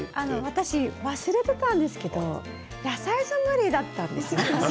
私、忘れていたんですけど野菜ソムリエだったんです。